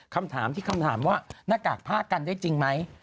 คำถามที่คำถามว่าหน้ากากผ้ากันได้จริงไหม